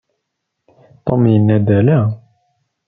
Tom yenna-d ala.